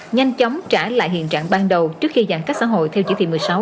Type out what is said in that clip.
nhanh chóng trả lại hiện trạng ban đầu trước khi giãn cách xã hội theo chỉ thị một mươi sáu